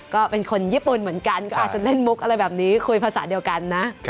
ก็เป็นคนญี่ปุ่นเหมือนกันก็อาจจะเล่นมุกอะไรแบบนี้คุยภาษาเดียวกันนะ